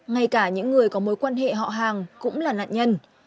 ngay cả những người có mối quan hệ họ hàng cũng là nạn nhân